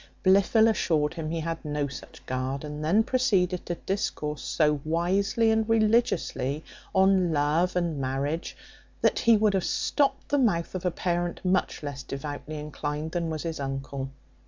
Blifil assured him he had no such guard; and then proceeded to discourse so wisely and religiously on love and marriage, that he would have stopt the mouth of a parent much less devoutly inclined than was his uncle.